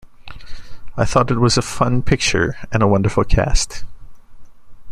I thought it was a fun picture and a wonderful cast.